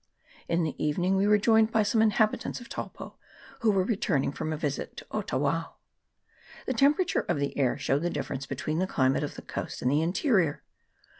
In the evening we were joined by some inhabitants of Taupo, who were returning from a visit to Otawao. The temperature of the air showed the difference between the climate of the coast and the interior.